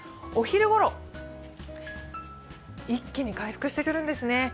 お昼ごろ、一気に回復してくるんですね。